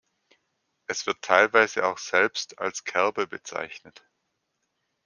Es wird teilweise auch selbst als „Kerbe“ bezeichnet.